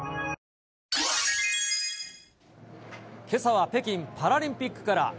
けさは北京パラリンピックから。